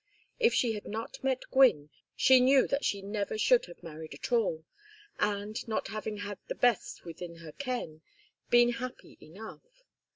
If she had not met Gwynne she knew that she never should have married at all, and, not having had the best within her ken, been happy enough.